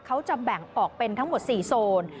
เขาจะแบ่งออกเป็นทั้งหมด๔โซน